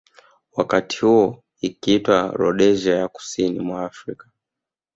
Wakati huo ikiitwa Rhodesia ya kusini mwa Afrika